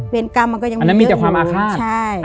เวรกรรมมันก็ยังมีเยอะหิว